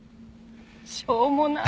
しょうもなっ！